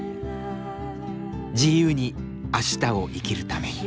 自由に明日を生きるために。